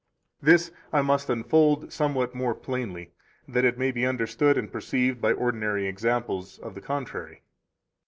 5 This I must unfold somewhat more plainly, that it may be understood and perceived by ordinary examples of the contrary.